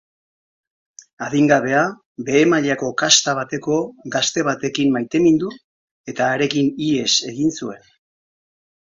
Adingabea behe-mailako kasta bateko gazte batekin maitemindu eta harekin ihes egin zuen.